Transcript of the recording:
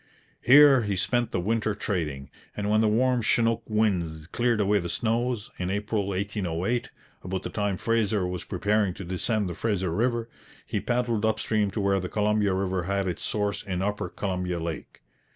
Here he spent the winter trading, and when the warm Chinook winds cleared away the snows, in April 1808, about the time Fraser was preparing to descend the Fraser river, he paddled up stream to where the Columbia river has its source in Upper Columbia Lake.